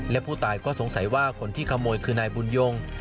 และผู้ตายก็สงสัยว่าคนที่ขโมยคือนายบุญยง